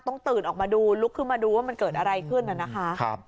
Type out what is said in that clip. ตื่นออกมาดูลุกขึ้นมาดูว่ามันเกิดอะไรขึ้นน่ะนะคะ